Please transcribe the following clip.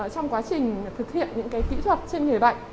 trong quá trình thực hiện những kỹ thuật trên người bệnh